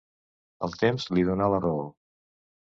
El temps li donà la raó.